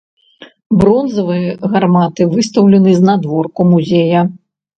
Бронзавыя гарматы выстаўлены знадворку музея.